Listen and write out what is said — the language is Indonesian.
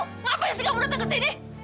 ngapain sih kamu datang ke sini